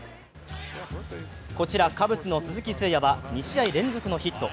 こちら、カブスの鈴木誠也は２試合連続のヒット。